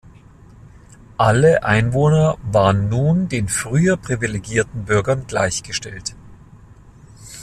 Alle Einwohner waren nun den früher privilegierten Bürgern gleichgestellt.